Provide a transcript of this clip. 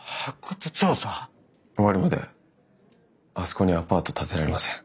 終わるまであそこにアパート建てられません。